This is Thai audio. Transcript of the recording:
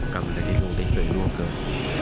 กรรมอะไรที่ลูกได้เคยร่วงเกิน